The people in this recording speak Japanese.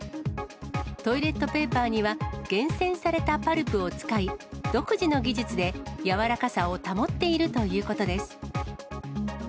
トイレットペーパーには厳選されたパルプを使い、独自の技術でやわらかさを保っているということです。